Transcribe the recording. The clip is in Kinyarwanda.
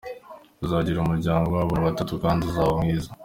Uzagira umuryango w’abana batatu kandi uzaba mwiza.